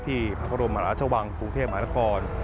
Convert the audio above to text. ที่พระพระรมหัวลาชวังกรุงเทพมหานคร